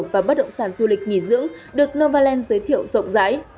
và bất động sản du lịch nghỉ dưỡng được novaland giới thiệu rộng rãi